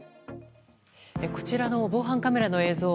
こちらの防犯カメラの映像。